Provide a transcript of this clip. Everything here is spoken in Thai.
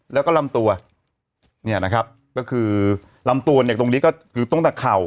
แล้วก็ลำตัวเนี่ยนะครับก็คือลำตัวเนี่ยตรงนี้ก็คือตั้งแต่เข่า